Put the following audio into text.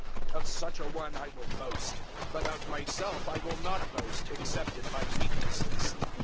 012:005 Of such a one I will boast; but of myself I will not boast, except in my weaknesses.